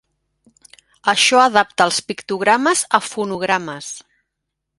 Això adapta els pictogrames a fonogrames.